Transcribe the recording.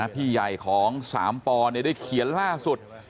พี่ใหญ่ของ๓ปได้เขียนล่าสุด